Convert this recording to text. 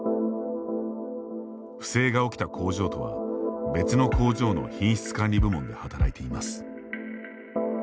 不明が起きた工場とは別の工場の品質管理部門で働いています。